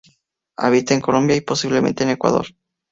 Habita en Colombia y posiblemente en Ecuador.